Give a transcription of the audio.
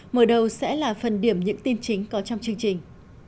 mở đầu sẽ là phần điểm những tin chính có trong chương trình